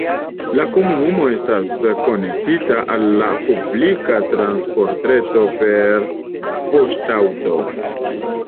La komunumo estas konektita al la publika transportreto per poŝtaŭto.